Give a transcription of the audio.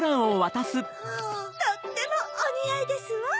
とってもおにあいですわ。